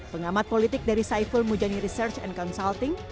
pengamat politik dari saiful mujani research and consulting